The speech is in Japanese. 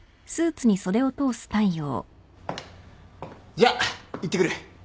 じゃあ行ってくる。